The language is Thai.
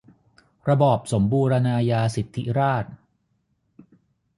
ระบอบสมบูรณาญาสิทธิราช